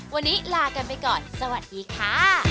วันนี้ลากันไปก่อนสวัสดีค่ะ